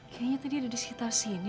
kayaknya tadi ada di sekitar sini